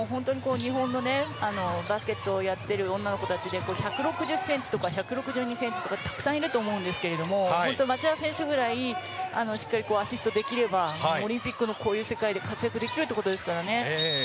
日本のバスケットをやっている女の子たちで１６０ｃｍとか１６２ｃｍとかたくさんいると思うんですけど町田選手くらいしっかりアシストできればオリンピックのこういう世界で活躍できるということですからね。